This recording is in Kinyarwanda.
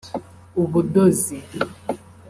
ubudozi